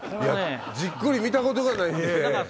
じっくり見たことないんで。